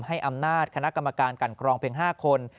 ให้อำนาจคณะกรรมการกันกรองเพียง๕คน